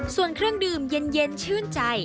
ส่วนเครื่องดื่มเย็นชื่นใจ